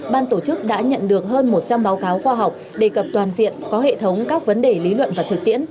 ban tổ chức đã nhận được hơn một trăm linh báo cáo khoa học đề cập toàn diện có hệ thống các vấn đề lý luận và thực tiễn